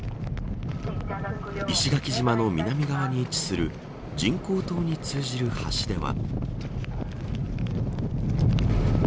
石垣島の南側に位置する人工島に通じる橋では。